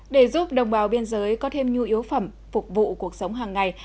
để giúp đồng bào biên giới có thêm nhu yếu phẩm phục vụ cuộc sống hàng ngày